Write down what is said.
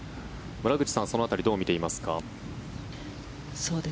村口さんはその辺りをどう見ていますか？